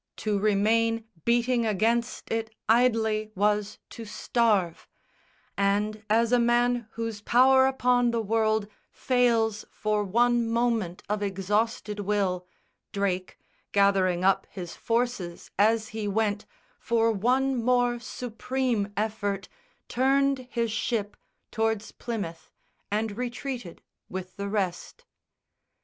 To remain Beating against it idly was to starve: And, as a man whose power upon the world Fails for one moment of exhausted will, Drake, gathering up his forces as he went For one more supreme effort, turned his ship Tow'rds Plymouth, and retreated with the rest.